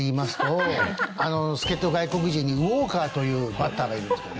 助っ人外国人にウォーカーというバッターがいるんですけどね